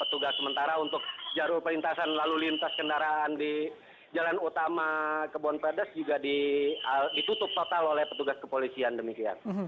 tugas sementara untuk jalur perintasan lalu lintas kendaraan di jalan utama kebon pedes juga ditutup total oleh petugas kepolisian demikian